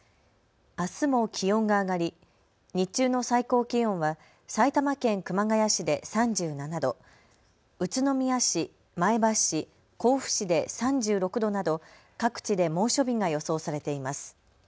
あすも気温が上がり日中の最高気温は埼玉県熊谷市で３７度、宇都宮市、前橋市、甲府市で３６度などと各地で猛暑日が予想されています。